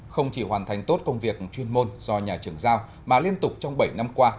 không chỉ hoàn thành tốt công việc chuyên môn do nhà trưởng giao mà liên tục trong bảy năm qua